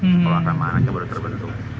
sekolah rama anak ini baru terbentuk